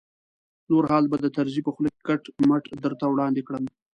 نور حال به د طرزي په خوله کټ مټ درته وړاندې کړم.